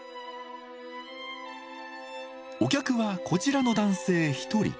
お客はこちらの男性１人。